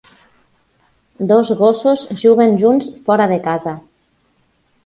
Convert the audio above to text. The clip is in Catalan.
Dos gossos juguen junts fora de casa.